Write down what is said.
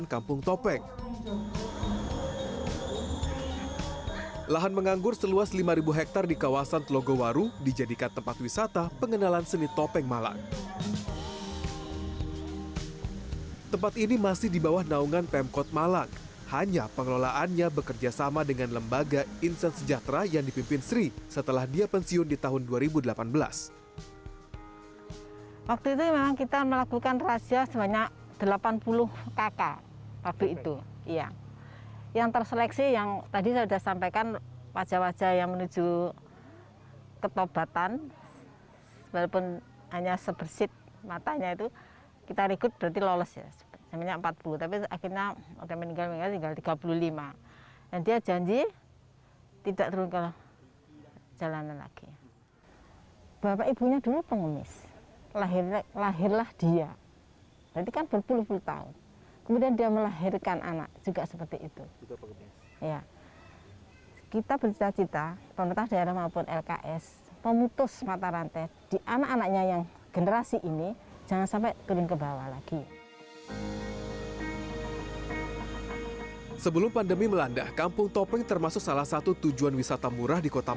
kampung topeng jawa timur